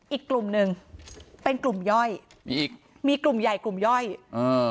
อีกกลุ่มหนึ่งเป็นกลุ่มย่อยมีอีกมีกลุ่มใหญ่กลุ่มย่อยอ่า